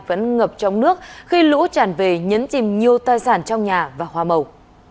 vẫn ngập trong nước khi lũ tràn về nhấn chìm nhiều tài sản trong nhà và hoa màu